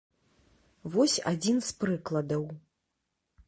Вось адзін з прыкладаў.